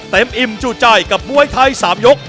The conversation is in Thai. เต็มอิ่มจู่ใจกับมวยไทยสามยก